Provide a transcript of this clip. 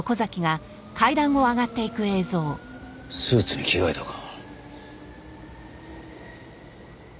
スーツに着替えたか。